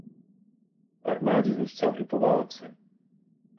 V armádě zůstal i po válce.